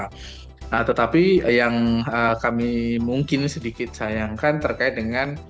nah tetapi yang kami mungkin sedikit sayangkan terkait dengan